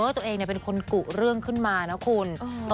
ตัวเองเป็นคนกุเรื่องขึ้นมานะคุณ